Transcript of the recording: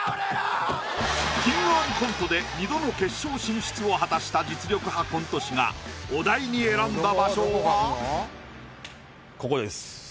「キングオブコント」で二度の決勝進出を果たした実力派コント師がお題に選んだ場所は。